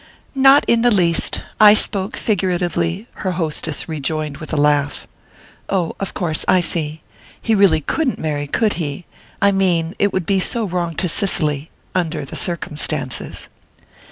"Not in the least I spoke figuratively," her hostess rejoined with a laugh. "Oh, of course I see. He really couldn't marry, could he? I mean, it would be so wrong to Cicely under the circumstances."